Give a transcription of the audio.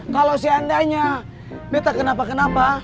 kalau seandainya minta kenapa kenapa